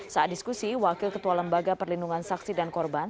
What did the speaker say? saat diskusi wakil ketua lembaga perlindungan saksi dan korban